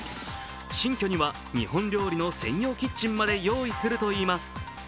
新居には日本料理の専用キッチンまで用意するといいます。